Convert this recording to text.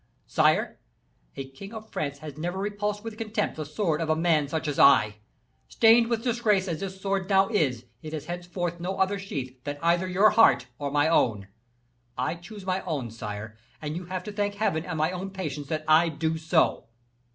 Sire, a king of France has never repulsed with contempt the sword of a man such as I am! Stained with disgrace as this sword now is, it has henceforth no other sheath than either your heart or my own! I choose my own, sire; and you have to thank Heaven and my own patience that I do so."